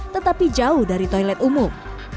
tetapi jauh dari toilet umum